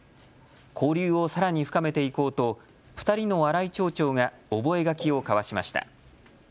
交流をさらに深めていこうと２人の新井町長が覚書を交わしました。